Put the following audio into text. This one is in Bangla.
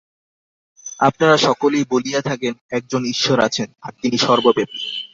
আপনারা সকলেই বলিয়া থাকেন, একজন ঈশ্বর আছেন, আর তিনি সর্বব্যাপী।